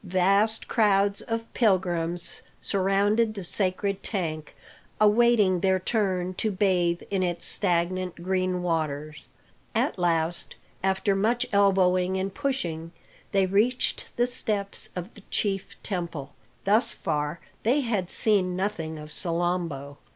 Vast crowds of pilgrims surrounded the sacred tank, awaiting their turn to bathe in its stagnant green waters. At last, after much elbowing and pushing, they reached the steps of the chief temple. Thus far they had seen nothing of Salambo.